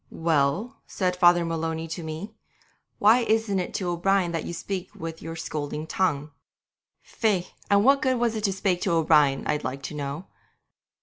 '"Well," said Father Maloney to me, "why isn't it to O'Brien that you speak with your scolding tongue?" Faix! and what good was it to spake to O'Brien, I'd like to know?